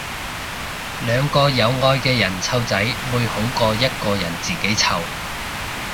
兩個有愛嘅人湊仔會好過一個人自己湊